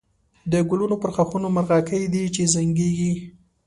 د گلونو پر ښاخونو مرغکۍ دی چی زنگېږی